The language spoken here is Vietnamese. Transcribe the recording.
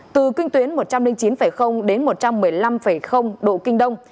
từ kinh tuyến một trăm linh chín đến một trăm một mươi năm độ kinh đông